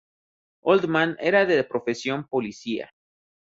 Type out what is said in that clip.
Oldman era de profesión policía.